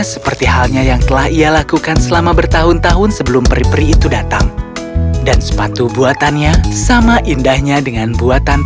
dengan sehat dan berhati hati dengan peri peri itu dan sepatu buatannya sama indahnya dengan buatan